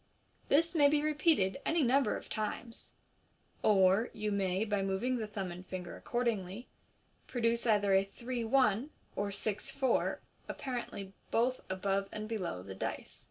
This may be repeated any number of times ; or you may, by moving the thumb and finger accordingly, produce either " three one " or " six four " apparently both abo^e and below the dice.